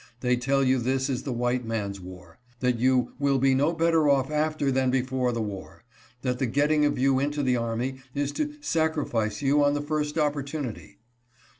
They tell you this is the ' white man's war '; that you ' will be no better off after than before the war '; that the getting of you into the army is to 'sacrifice you on the first opportunity.'